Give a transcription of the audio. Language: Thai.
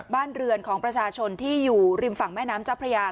บ้านเรือนของประชาชนที่อยู่ริมฝั่งแม่น้ำเจ้าพระยา